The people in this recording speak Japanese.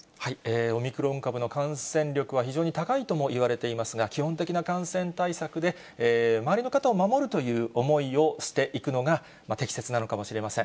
オミクロン株の感染力は非常に高いともいわれていますが、基本的な感染対策で、周りの方を守るという思いをしていくのが適切なのかもしれません。